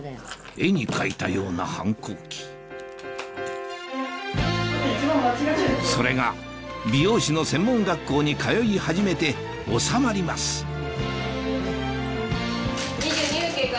絵に描いたような反抗期それが美容師の専門学校に通い始めて収まります・２２分経過